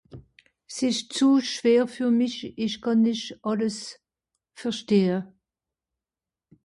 s'esch zu schwer für mich esch kànn nìch àlles verstehe